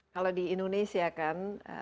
kalau di indonesia kan